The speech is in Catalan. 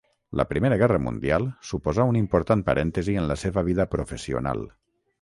La Primera Guerra Mundial suposà un important parèntesi en la seva vida professional.